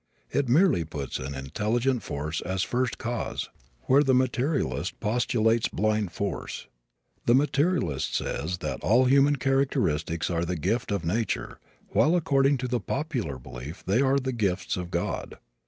It merely puts an intelligent force as first cause where the materialist postulates blind force. The materialist says that all human characteristics are the gift of nature while according to the popular belief they are the gifts of God.